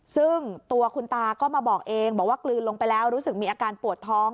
ซึ่งตัวคุณตาก็มาบอกเองบอกว่ากลืนลงไปแล้วรู้สึกมีอาการปวดท้อง